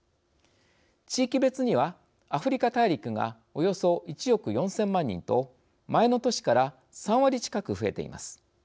地域別には、アフリカ大陸がおよそ１億４０００万人と前の年から３割近く増えています。